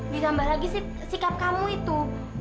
ditambah lagi sih sikap kamu itu